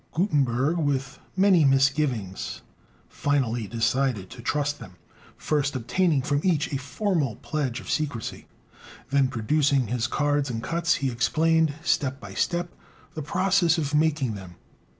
Gutenberg, with many misgivings, finally decided to trust them, first obtaining from each a formal pledge of secrecy. Then producing his cards and cuts, he explained, step by step, the process of making them.